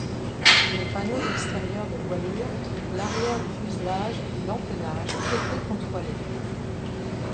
Les panneaux extérieurs de voilure, l'arrière du fuselage et l'empennage étaient entoilés.